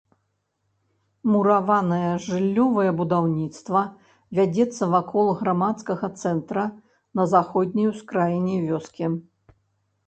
Мураванае жыллёвае будаўніцтва вядзецца вакол грамадскага цэнтра на заходняй ускраіне вёскі.